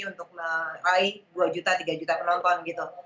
untuk meraih dua juta tiga juta penonton gitu